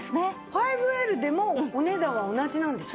５Ｌでもお値段は同じなんでしょ？